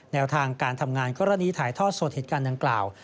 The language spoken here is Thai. แนวทางการทำงานกรณีถ่ายทอดสดเหตุการณ์ดังกล่าว